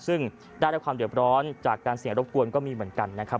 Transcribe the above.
ซึ่งได้รับความเดือบร้อนจากการเสียงรบกวนก็มีเหมือนกันนะครับ